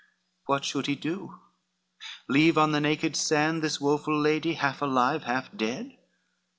LXI What should he do? leave on the naked sand This woful lady half alive, half dead?